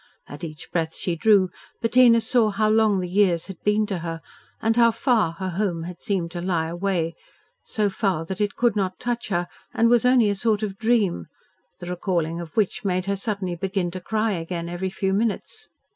At each breath she drew Bettina saw how long the years had been to her, and how far her home had seemed to lie away, so far that it could not touch her, and was only a sort of dream, the recalling of which made her suddenly begin to cry again every few minutes.